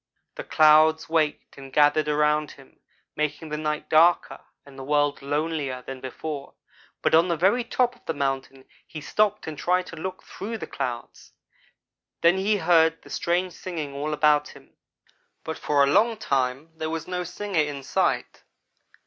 The clouds waked and gathered around him, making the night darker and the world lonelier than before, but on the very top of the mountain he stopped and tried to look through the clouds. Then he heard strange singing all about him; but for a long time there was no singer in sight.